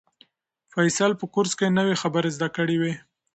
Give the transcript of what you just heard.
فیصل په کورس کې نوې خبرې زده کړې وې.